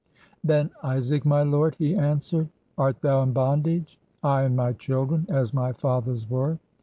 "Ben Isaac, my lord!" he answered. "Art thou in bondage?" "I and my children, as my fathers were!"